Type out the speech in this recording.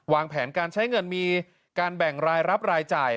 วางแผนการใช้เงินมีการแบ่งรายรับรายจ่าย